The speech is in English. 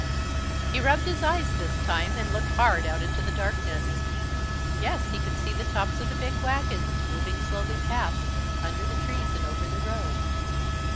He rubbed his eyes this time and looked hard out into the darkness. Yes, he could see the tops of the big wagons, moving slowly past, under the trees and over the road.